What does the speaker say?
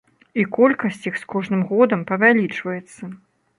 І колькасць іх з кожным годам павялічваецца.